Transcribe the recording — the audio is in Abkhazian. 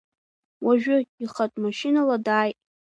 Уажәы, ихатә машьынала дааит.